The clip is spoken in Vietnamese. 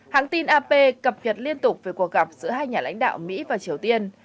hãng tin ap cập nhật liên tục về cuộc gặp giữa hai nhà lãnh đạo mỹ và triều tiên